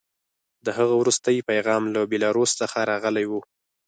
د هغه وروستی پیغام له بیلاروس څخه راغلی و